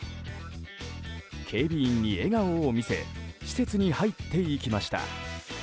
警備員に笑顔を見せ施設に入っていきました。